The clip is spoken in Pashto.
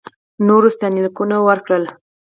نورو ستاینلیکونه ورکړل.